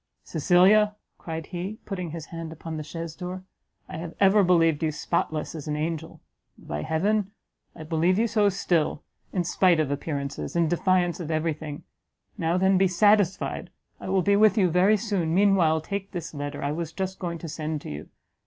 "Cecilia," cried he, putting his hand upon the chaise door, "I have ever believed you spotless as an angel! and, by heaven! I believe you so still, in spite of appearances in defiance of every thing! Now then be satisfied; I will be with you very soon. Meanwhile, take this letter, I was just going to send to you.